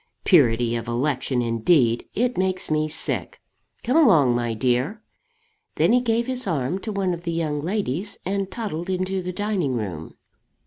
Purity of election, indeed! It makes me sick. Come along, my dear." Then he gave his arm to one of the young ladies, and toddled into the dining room.